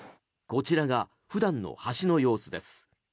こちらが普段の橋の様子です。